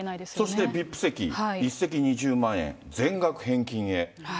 そしてＶＩＰ席１席２０万円、全額返金へ。